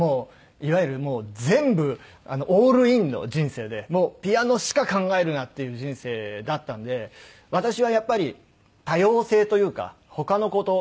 いわゆる全部オールインの人生でもうピアノしか考えるなっていう人生だったので私はやっぱり多様性というか他の事。